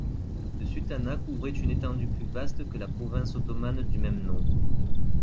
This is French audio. Ce sultanat couvrait une étendue plus vaste que la province ottomane du même nom.